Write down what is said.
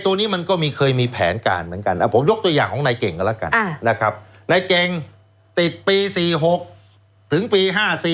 ถึงปี๕๔